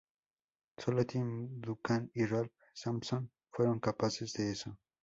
Sólo Tim Duncan y Ralph Sampson fueron capaces de eso.